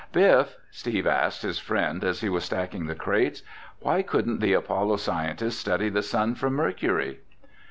"Biff," Steve asked his friend as he was stacking the crates, "why couldn't the Apollo scientists study the sun from Mercury?"